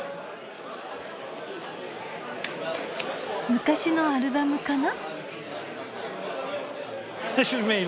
昔のアルバムかな？